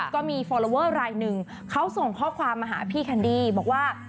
ก็มีฟอลลอเวอร์รายหนึ่งเขาส่งข้อความมาหาพี่แคนดี้บอกว่า